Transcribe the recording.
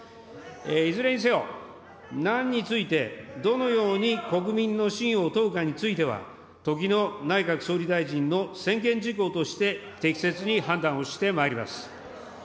いずれにせよ、なんについて、どのように国民の信を問うかについては、時の内閣総理大臣の専権事項として、適切に判断をしてまいります。